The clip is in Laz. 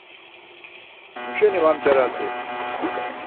Muşeni var mç̌arat̆i?